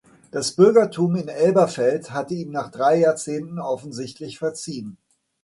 Das Bürgertum in Elberfeld hatte ihm nach drei Jahrzehnten offensichtlich verziehen.